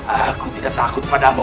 aku tidak takut padamu